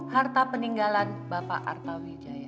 harta peninggalan bapak arta wijaya